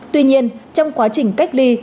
tuy nhiên trong quá trình cách ly